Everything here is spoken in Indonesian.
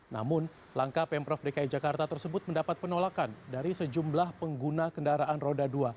namun langkah pemprov dki jakarta tersebut mendapat penolakan dari sejumlah pengguna kendaraan roda dua